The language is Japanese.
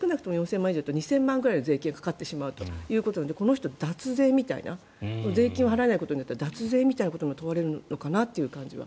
４０００万円ぐらいの税金がかかってしまうということでこの人、脱税みたいな税金が払えないことによって脱税みたいなことも問われるのかなと。